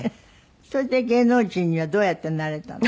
それで芸能人にはどうやってなれたの？